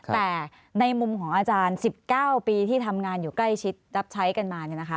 แต่ในมุมของอาจารย์๑๙ปีที่ทำงานอยู่ใกล้ชิดรับใช้กันมา